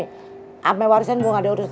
sama warisan gue gak ada urusan